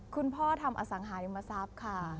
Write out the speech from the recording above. คุณพ่อทำอสังหาริมทรัพย์ค่ะ